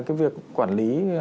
cái việc quản lý